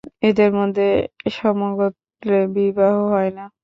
এঁদের মধ্যে সম গোত্রে বিবাহ হয়না।